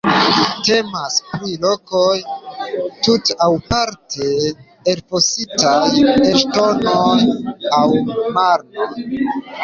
Temas pri lokoj tute aŭ parte elfositaj el ŝtono aŭ marno.